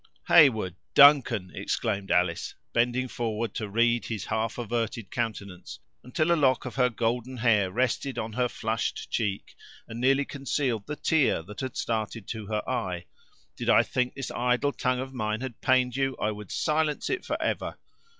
"Heyward! Duncan!" exclaimed Alice, bending forward to read his half averted countenance, until a lock of her golden hair rested on her flushed cheek, and nearly concealed the tear that had started to her eye; "did I think this idle tongue of mine had pained you, I would silence it forever.